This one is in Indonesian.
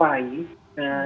jadi kita harus menggunakan